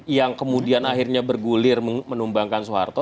yang kemudian akhirnya bergulir menumbangkan soeharto